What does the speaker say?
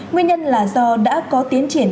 nguyên nhân là do đã có tiến triển